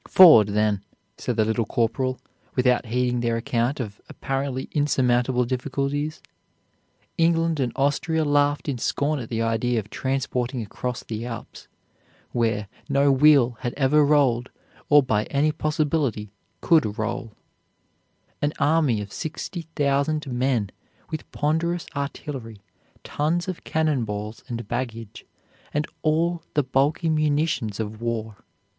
"FORWARD THEN," said the Little Corporal, without heeding their account of apparently insurmountable difficulties. England and Austria laughed in scorn at the idea of transporting across the Alps, where "no wheel had ever rolled, or by any possibility could roll," an army of sixty thousand men, with ponderous artillery, tons of cannon balls and baggage, and all the bulky munitions of war.